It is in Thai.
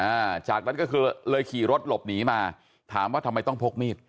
อ่าจากนั้นก็คือเลยขี่รถหลบหนีมาถามว่าทำไมต้องพกมีด